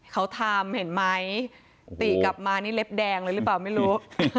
เขาทำเห็นไหมติกลับมานี่เล็บแดงเลยหรือเปล่าไม่รู้